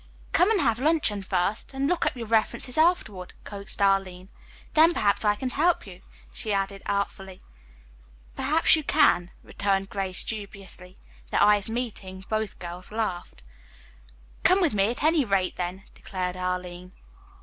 "Come and have luncheon first and look up your references afterward," coaxed Arline. "Then, perhaps, I can help you," she added artfully. "Perhaps you can," returned Grace dubiously. Their eyes meeting, both girls laughed. "Come with me, at any rate, then," declared Arline.